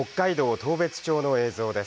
当別町の映像です。